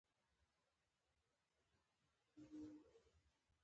قدمونه یې د شنه ځنګل ښکالو ده